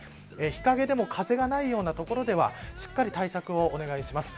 日陰でも風がないような所ではしっかり対策をお願いします。